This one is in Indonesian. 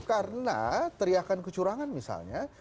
karena teriakan kecurangan misalnya